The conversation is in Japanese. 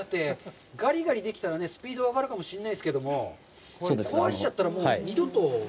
ガリガリできたらスピードは上がるかもしんないですけども、壊しちゃったら、二度と。